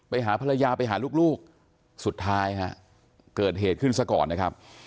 ไปหาภรรยาไปหาลูกสุดท้ายฮะเกิดเหตุขึ้นซะก่อนนะครับ